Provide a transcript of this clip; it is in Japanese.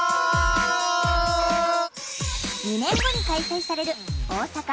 ２年後に開催される大阪・関西万博。